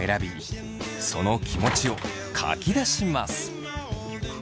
その気持ちを書き出します。